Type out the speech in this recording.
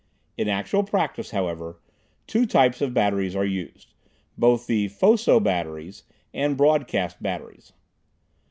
In actual practice, however, two types of batteries are used; both the foco batteries and broadcast batteries.